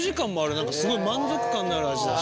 何かすごい満足感のある味だし。